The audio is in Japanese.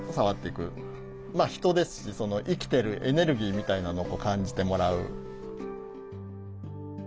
まあ人ですし生きてるエネルギーみたいなのを感じてもらう。